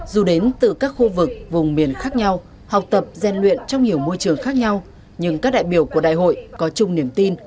dù đến từ các khu vực vùng miền khác nhau học tập gian luyện trong nhiều môi trường khác nhau nhưng các đại biểu của đại hội có chung niềm tin